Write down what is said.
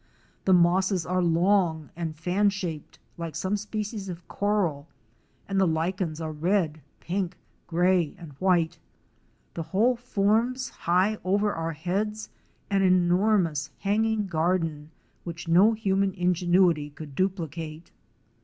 The mosses are long and fan shaped like some species of coral, and the lichens are red, pink, gray and white. The whole forms, high over our heads, an enor mous hanging garden which no human ingenuity could duplicate.